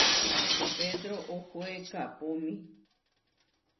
Pedró ohoé kaʼpómi.